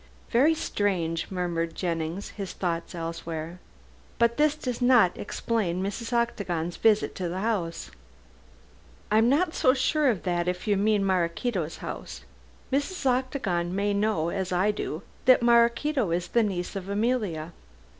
"Very strange," murmured Jennings, his thoughts elsewhere, "but this does not explain Mrs. Octagon's visit to the house." "I am not so sure of that, if you mean Maraquito's house. Mrs. Octagon may know, as I do, that Maraquito is the niece of Emilia."